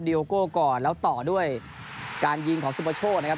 โอโก้ก่อนแล้วต่อด้วยการยิงของสุปโชคนะครับ